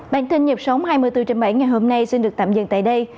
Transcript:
bản tin nhật sống hai mươi bốn h bảy ngày hôm nay xin được tạm dừng tại đây